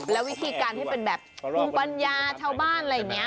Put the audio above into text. แล้ววิธีการที่เป็นแบบภูมิปัญญาชาวบ้านอะไรอย่างนี้